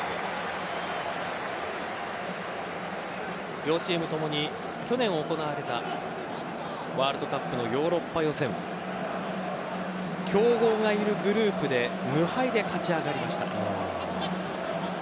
両チーム共に去年行われたワールドカップのヨーロッパ予選強豪がいるグループで無敗で勝ち上がりました。